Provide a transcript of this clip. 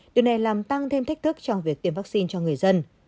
điều này làm tăng thêm thách thức trong việc tiêm vaccine cho người dân